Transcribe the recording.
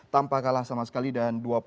tanpa kalah sama sekali dan dua puluh enam